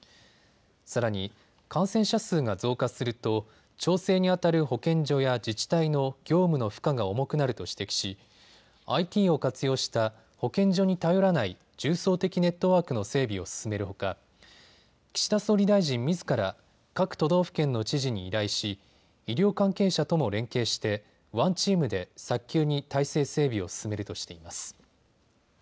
さらに、感染者数が増加すると調整にあたる保健所や自治体の業務の負荷が重くなると指摘しＩＴを活用した保健所に頼らない重層的ネットワークの整備を進めるほか岸田総理大臣みずから各都道府県の知事に依頼し医療関係者とも連携してワンチームで早急に体制整備を進めるとしています。